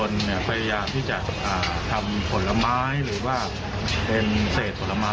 แล้วก็เอาสิ่งนี้ขึ้นมามันเหมือนกับโมเดลนะครับ